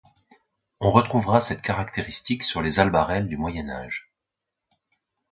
On retrouvera cette caractéristique sur les albarelles du moyen âge.